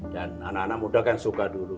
dan anak anak muda kan suka dulu